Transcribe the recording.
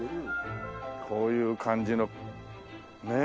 こういう感じのねえ。